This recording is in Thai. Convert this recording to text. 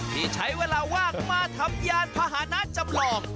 ที่ใช้เวลาว่างมาทำยานพาหนะจำลอง